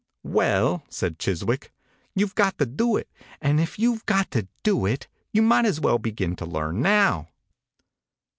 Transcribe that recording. "Well," said Chiswick, "you've got to do it, and if you've got to do it you might as well begin to learn now."